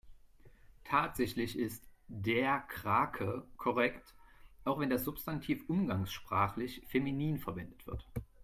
Tatsächlich ist "der Krake" korrekt, auch wenn das Substantiv umgangssprachlich feminin verwendet wird.